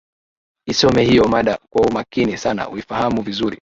isome hiyo mada kwa umakini sana uifahamu vizuri